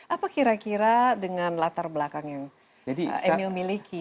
apa kira kira dengan latar belakang yang emil miliki